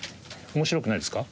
面白くないですか？